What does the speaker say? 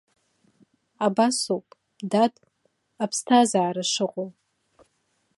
Абасоуп, дад, аԥсҭазаара шыҟоу.